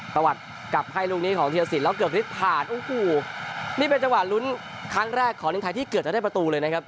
ตะวัดกลับให้ลูกนี้ของธีรสินแล้วเกือบพลิกผ่านโอ้โหนี่เป็นจังหวะลุ้นครั้งแรกของทีมไทยที่เกือบจะได้ประตูเลยนะครับ